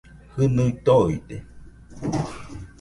Jɨnui toide